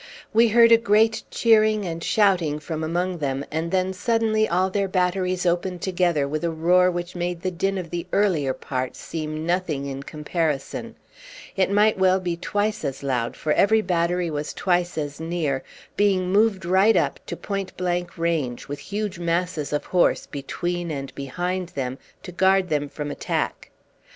We heard a great cheering and shouting from among them, and then suddenly all their batteries opened together with a roar which made the din of the earlier part seem nothing in comparison. It might well be twice as loud, for every battery was twice as near, being moved right up to point blank range, with huge masses of horse between and behind them to guard them from attack.